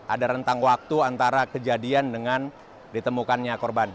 ada rentang waktu antara kejadian dengan ditemukannya korban